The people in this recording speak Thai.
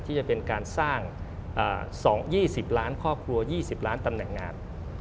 ที่จะเป็นการสร้าง๒๒๐ล้านครอบครัว๒๐ล้านตำแหน่งงาน